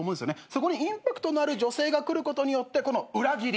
そこにインパクトのある女性が来ることによってこの裏切り。